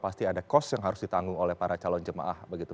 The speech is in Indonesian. pasti ada cost yang harus ditanggung oleh para calon jemaah begitu